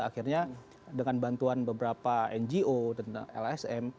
akhirnya dengan bantuan beberapa ngo dan lsm